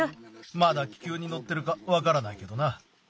まだ気球にのってるかわからないけどな。